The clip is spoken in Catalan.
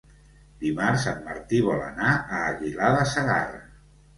Dimarts en Martí vol anar a Aguilar de Segarra.